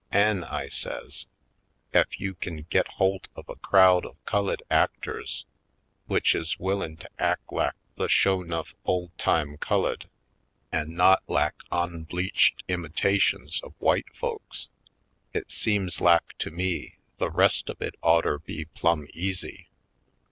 An'," I says, "ef you kin git holt of a crowd of cullid actors w'ich is willin' to ack lak the sho' nuff ole time cullid an' not lak onbleached imita tions of w'ite folks, it seems lak to me the rest of it oughter be plum' easy.